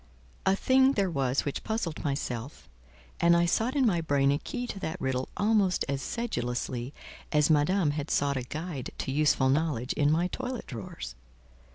A thing there was which puzzled myself, and I sought in my brain a key to that riddle almost as sedulously as Madame had sought a guide to useful knowledge in my toilet drawers.